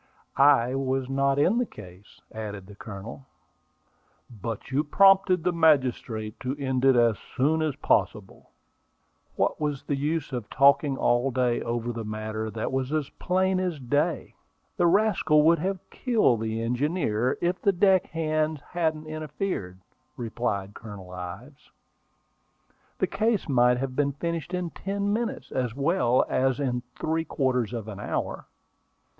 "I was not in the case," added the Colonel. "But you prompted the magistrate to end it as soon as possible." "What was the use of talking all day over a matter that was as plain as day? The rascal would have killed the engineer, if the deck hands hadn't interfered," replied Colonel Ives. "The case might have been finished in ten minutes, as well as in three quarters of an hour."